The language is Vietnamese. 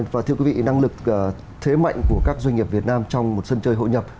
và thưa quý vị năng lực thế mạnh của các doanh nghiệp việt nam trong một sân chơi hội nhập